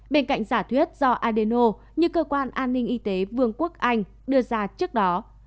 bên cạnh giả thuyết do adeno như cơ quan an ninh y tế vương quốc anh đưa ra trước đó